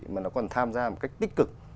mà nó còn tham gia một cách tích cực